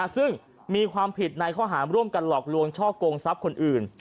ซึ่งมีความผิดในข้อหารร่วมกันหลอกลวงช่อกงทรัพย์คนอื่น